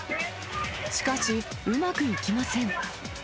しかし、うまくいきません。